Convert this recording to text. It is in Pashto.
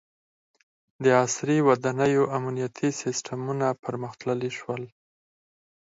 • د عصري ودانیو امنیتي سیستمونه پرمختللي شول.